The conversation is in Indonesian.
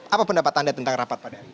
apa pendapat anda tentang rapat pada hari ini